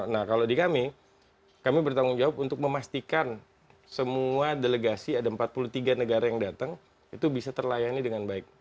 nah kalau di kami kami bertanggung jawab untuk memastikan semua delegasi ada empat puluh tiga negara yang datang itu bisa terlayani dengan baik